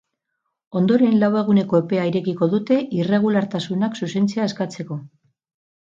Ondoren, lau eguneko epea irekiko dute irregulartasunak zuzentzea eskatzeko.